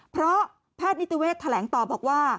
เพราะแพทย์นิติเวศแถลงต่อบอกว่า